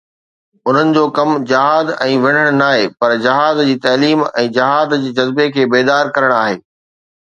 انهن جو ڪم جهاد ۽ وڙهڻ ناهي، پر جهاد جي تعليم ۽ جهاد جي جذبي کي بيدار ڪرڻ آهي.